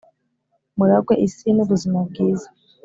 Muragwe isi n’ubuzima bwiza